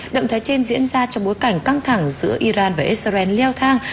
động thái trên diễn ra trong bối cảnh căng thẳng giữa iran và israel leo thang